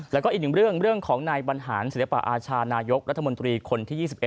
แล้วก็อีกหนึ่งเรื่องของนายบรรหารศิลปะอาชานายกรัฐมนตรีคนที่๒๑